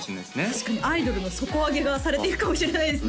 確かにアイドルの底上げがされていくかもしれないですね